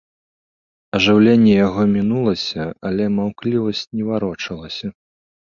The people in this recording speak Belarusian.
Ажыўленне яго мінулася, але маўклівасць не варочалася.